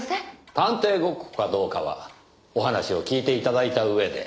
探偵ごっこかどうかはお話を聞いて頂いた上で。